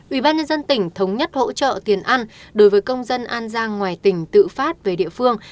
ubnd tỉnh thống nhất hỗ trợ tiền ăn đối với công dân an giang ngoài tỉnh tự phát về địa phương